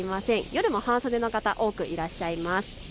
夜も半袖の方、多くいらっしゃいます。